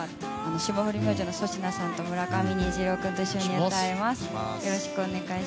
霜降り明星の粗品さんと村上虹郎君と一緒に歌います。